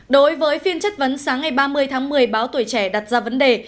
đối với phiên chất vấn sáng ngày ba mươi tháng một mươi báo tuổi trẻ đặt ra vấn đề